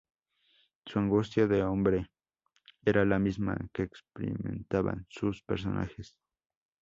Su angustia de hombre, era la misma que experimentaban sus personajes.